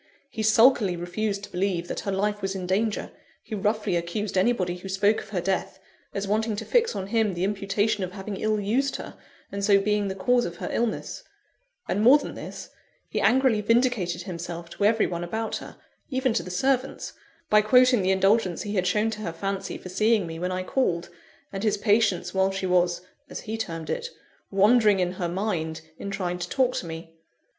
He sulkily refused to believe that her life was in danger; he roughly accused anybody who spoke of her death, as wanting to fix on him the imputation of having ill used her, and so being the cause of her illness; and more than this, he angrily vindicated himself to every one about her even to the servants by quoting the indulgence he had shown to her fancy for seeing me when I called, and his patience while she was (as he termed it) wandering in her mind in trying to talk to me.